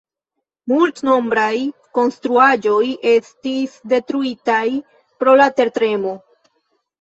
Multnombraj konstruaĵoj estis detruitaj pro la tertremo.